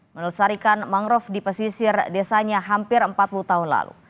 melestarikan mangrove di pesisir desanya hampir empat puluh tahun lalu